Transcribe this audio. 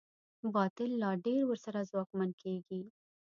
باطل لا ډېر ورسره ځواکمن کېږي.